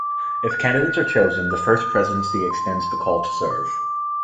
If candidates are chosen, the First Presidency extends the call to serve.